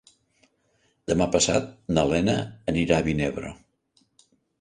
Demà passat na Lena anirà a Vinebre.